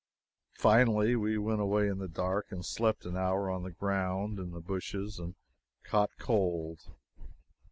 Finally we went away in the dark and slept an hour on the ground, in the bushes, and caught cold.